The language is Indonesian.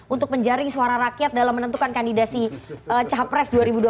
untuk menjaring suara rakyat dalam menentukan kandidasi capres dua ribu dua puluh